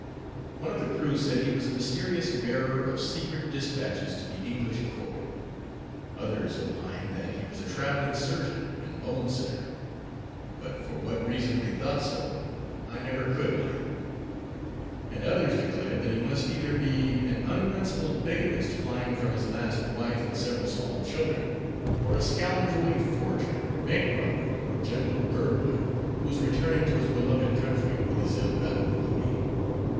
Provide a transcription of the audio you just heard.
One of the crew said he was a mysterious bearer of secret dispatches to the English court; others opined that he was a traveling surgeon and bonesetter, but for what reason they thought so, I never could learn; and others declared that he must either be an unprincipled bigamist, flying from his last wife and several small children; or a scoundrelly forger, bank robber, or general burglar, who was returning to his beloved country with his ill gotten booty.